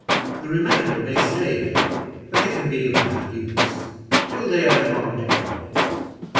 The remainder may stay here, as they can be of no use, till they are demanded from you.